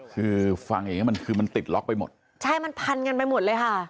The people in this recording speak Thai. คือฟังอย่างเงี้มันคือมันติดล็อกไปหมดใช่มันพันกันไปหมดเลยค่ะ